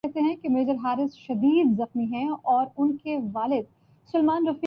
بلکہ یہ کہا جائے گا فلاں نظریہ یا فلاں طرزِ عمل شرک ہے